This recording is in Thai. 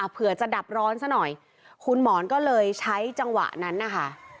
เผื่อจะดับร้อนซะหน่อยคุณหมอนก็เลยใช้จังหวะนั้นนะคะ